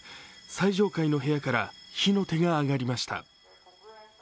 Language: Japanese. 最上階の部屋から火の手が上がりました。